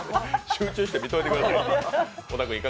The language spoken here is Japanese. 集中して見といてください。